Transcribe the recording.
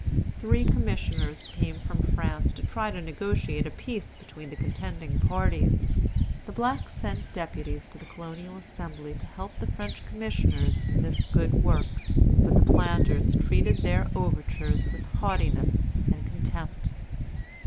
Three commissioners came from France to try to negotiate a peace between the contending parties. The blacks sent deputies to the Colonial Assembly to help the French commissioners in this good work; but the planters treated their overtures with haughtiness and contempt.